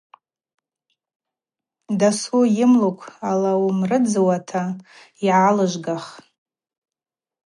Дасу уымлыкв алауымрыдзуата йгӏалыжвгах.